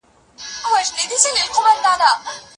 هیوادونه د ساینسي لاسته راوړنو په برخه کي همکاري کوي.